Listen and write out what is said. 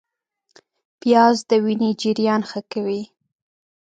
پیاز د وینې جریان ښه کوي